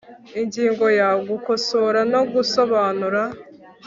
Ingingo ya Gukosora no gusobanura